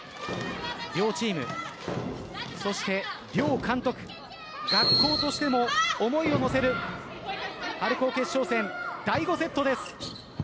両チーム、そして両監督学校としても思いを乗せる春高決勝戦第５セットです。